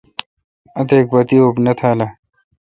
اتیک پہ تی اوپ نہ تھال اؘ۔